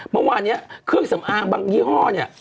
เมื่อวานนี้เครื่องสำอางบางยี่ห้อเนี่ย